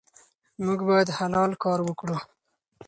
موږ باید حلال کار وکړو.